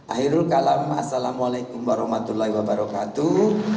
ahirul kalam assalamualaikum warahmatullahi wabarakatuh